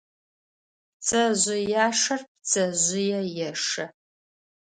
Пцэжъыяшэр пцэжъые ешэ.